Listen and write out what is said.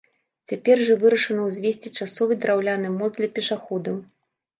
Цяпер жа вырашана ўзвесці часовы драўляны мост для пешаходаў.